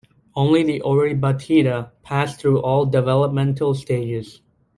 Only the Oribatida pass through all developmental stages.